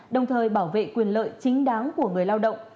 đồng thời bảo vệ quyền lợi chính đáng của người lao động